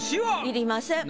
いりません。